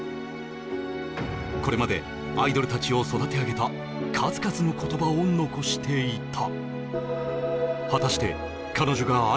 これまでアイドルたちを育て上げた数々の言葉を残していた果たして彼女がとは